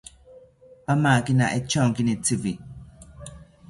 Pamakina echonkini tziwi